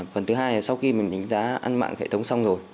phần thứ hai là sau khi mình đánh giá an ninh mạng hệ thống xong rồi